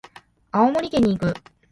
青森県に行く。